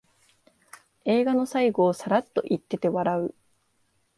映画の最後をサラッと言ってて笑う